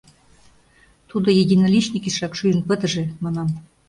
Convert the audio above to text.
Тудо единоличникешак шӱйын пытыже, манам.